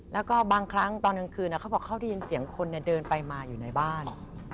แล้วก็บางครั้งตอนกลางคืนเขาบอกเขาได้ยินเสียงคนเดินไปมาอยู่ในบ้าน